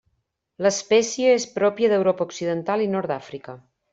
L'espècie és pròpia d'Europa occidental i nord d'Àfrica.